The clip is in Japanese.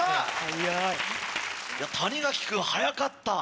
・早い・谷垣君早かった！